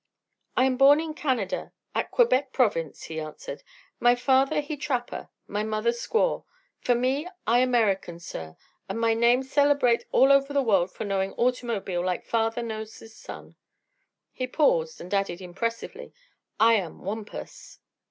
"I am born in Canada, at Quebec Province," he answered. "My father he trapper; my mother squaw. For me, I American, sir, and my name celebrate over all the world for knowing automobile like father knows his son." He paused, and added impressively: "I am Wampus!"